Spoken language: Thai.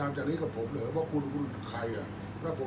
อันไหนที่มันไม่จริงแล้วอาจารย์อยากพูด